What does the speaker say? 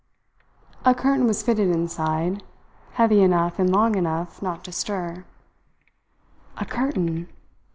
A curtain was fitted inside, heavy enough and long enough not to stir. A curtain!